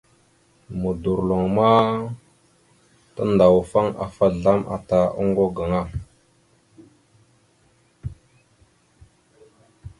Modorloŋ ma tandawafaŋ afa azlam atal ata oŋgo gaŋa.